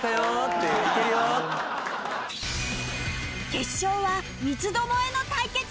決勝は三つどもえの対決！